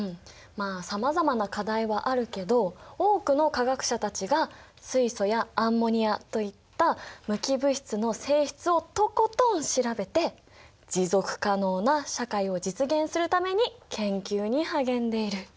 まあさまざまな課題はあるけど多くの化学者たちが水素やアンモニアといった無機物質の性質をとことん調べて持続可能な社会を実現するために研究に励んでいる。